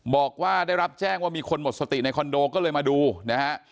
บอกว่าได้รับแจ้งว่ามีคนหมดสติในคอนโดก็เลยมาดูนะฮะ